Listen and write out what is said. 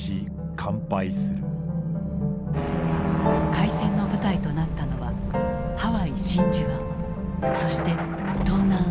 開戦の舞台となったのはハワイ・真珠湾そして東南アジア。